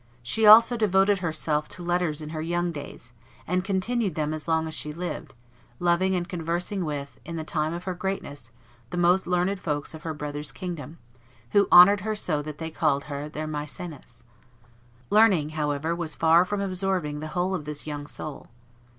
... She also devoted herself to letters in her young days, and continued them as long as she lived, loving and conversing with, in the time of her greatness, the most learned folks of her brother's kingdom, who honored her so that they called her their Maecenas." Learning, however, was far from absorbing the whole of this young soul.